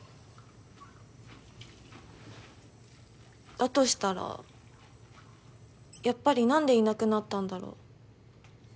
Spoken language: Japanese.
だとしたらやっぱりなんでいなくなったんだろう。